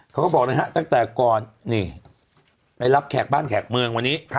เขาบอกเลยฮะตั้งแต่ก่อนนี่ไปรับแขกบ้านแขกเมืองวันนี้